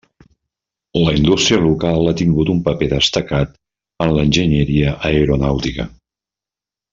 La indústria local ha tingut un paper destacat en l'enginyeria aeronàutica.